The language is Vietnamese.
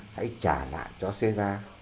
hãy trả lại cho seja